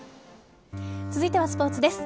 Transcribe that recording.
続いてはスポーツです。